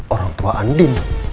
orang tua andin